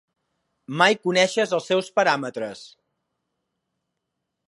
Mai coneixes els seus paràmetres.